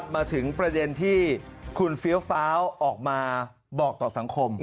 มาถึงประเด็นที่คุณเฟี้ยวฟ้าวออกมาบอกต่อสังคม